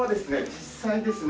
実際ですね